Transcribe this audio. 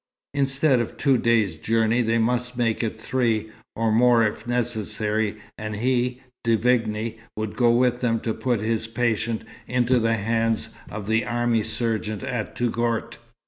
Instead of two days' journey they must make it three, or more if necessary, and he De Vigne would go with them to put his patient into the hands of the army surgeon at Touggourt.